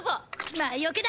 魔除けだ！